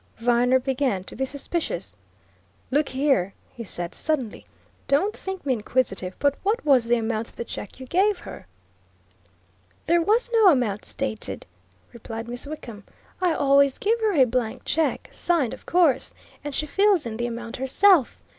Viner began to be suspicious. "Look here!" he said suddenly. "Don't think me inquisitive, but what was the amount of the check you gave her?" "There was no amount stated," replied Miss Wickham. "I always give her a blank check signed, of course and she fills in the amount herself.